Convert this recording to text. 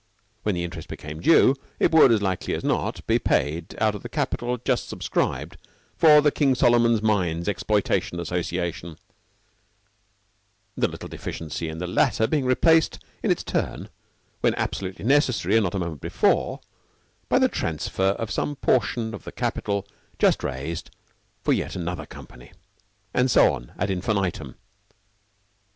When the interest became due, it would, as likely as not, be paid out of the capital just subscribed for the King Solomon's Mines Exploitation Association, the little deficiency in the latter being replaced in its turn, when absolutely necessary and not a moment before, by the transfer of some portion of the capital just raised for yet another company. And so on, ad infinitum.